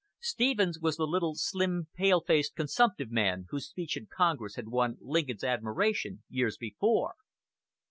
Stephens was the "little, slim pale faced consumptive man" whose speech in Congress had won Lincoln's admiration years before.